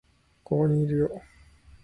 ここにいるよ